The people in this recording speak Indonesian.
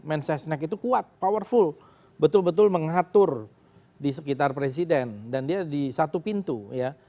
mensesnek itu kuat powerful betul betul mengatur di sekitar presiden dan dia di satu pintu ya